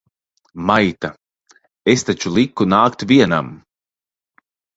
Maita! Es taču liku nākt vienam!